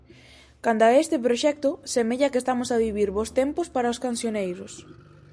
Canda a este proxecto, semella que estamos a vivir bos tempos para os cancioneiros.